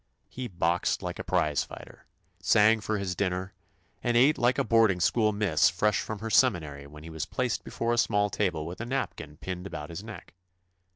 He boxed like a prize fighter, sang for his dinner, and ate like a boarding school miss fresh from her seminary when he was placed before a small table with a napkin pinned about his neck.